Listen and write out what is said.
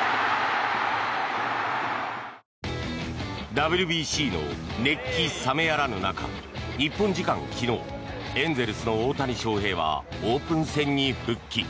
ＷＢＣの熱気冷めやらぬ中日本時間昨日エンゼルスの大谷翔平はオープン戦に復帰。